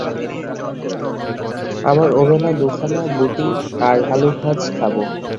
আমারওবেলা দুখানা বুটি আর আলুভাজ খাবো।